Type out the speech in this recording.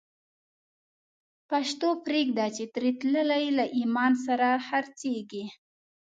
پښتو پریږده چی تری تللی، له ایمان سره خرڅیږی